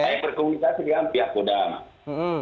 saya berkomunikasi dengan pihak kodam